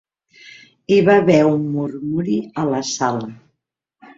Hi va haver un murmuri a la sala.